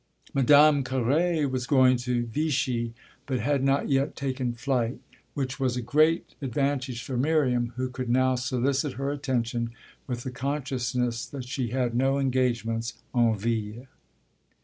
Madame Carré was going to Vichy, but had not yet taken flight, which was a great advantage for Miriam, who could now solicit her attention with the consciousness that she had no engagements en ville.